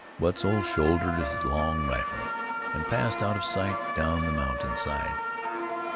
Wetzel shouldered his long rifle, and soon passed out of sight down the mountain side.